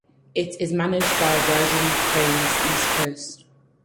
It is managed by Virgin Trains East Coast.